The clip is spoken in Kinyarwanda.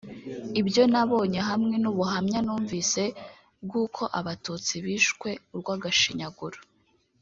Ibyo nabonye hamwe n’ubuhamya numvise bw’uko Abatutsi bishwe urw’agashinyaguro